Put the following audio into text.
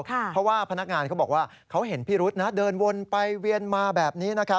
เพราะว่าพนักงานเขาบอกว่าเขาเห็นพิรุษเดินวนไปเวียนมาแบบนี้